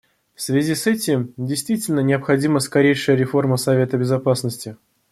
В связи с этим действительно необходима скорейшая реформа Совета Безопасности.